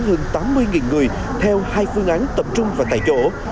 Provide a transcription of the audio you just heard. hơn tám mươi người theo hai phương án tập trung và tại chỗ